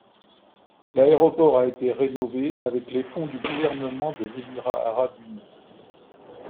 L'aéroport a été rénové avec les fonds du Gouvernement des Émirats arabes unis.